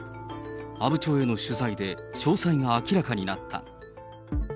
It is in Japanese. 阿武町への取材で詳細が明らかになった。